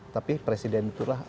tapi presiden itu adalah